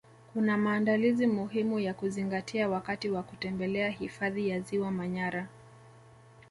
Kuna maandalizi muhimu ya kuzingatia wakati wa kutembelea hifadhi ya ziwa manyara